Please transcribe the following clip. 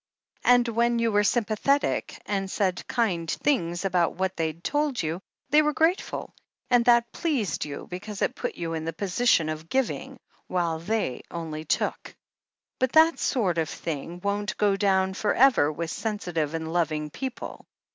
And when you were sympathetic, and said kind things about what they'd told you, they were grateful, and that pleased you, because^ it put you in the position of giving, while they only took. But that sort of thing won't go down for ever with sensitive and loving people.